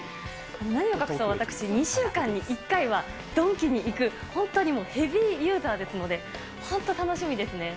何を隠そう、私、２週間に１回はドンキに行く本当にヘビーユーザーですので、本当、楽しみですね。